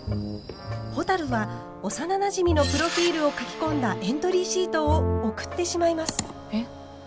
ほたるは幼なじみのプロフィールを書き込んだエントリーシートを送ってしまいます。